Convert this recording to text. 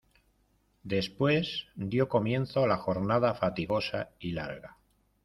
después dió comienzo la jornada fatigosa y larga.